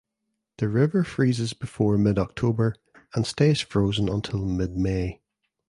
The river freezes before mid October and stays frozen until mid May.